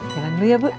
jalan beli ya bu